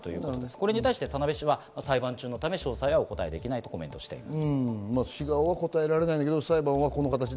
これに対して田辺市は裁判中のため詳細はお答えできないとコメントしています。